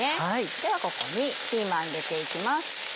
ではここにピーマン入れていきます。